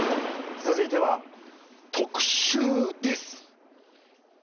続いては、特集です。